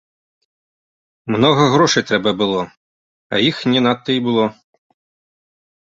Многа грошай трэба было, а іх не надта і было.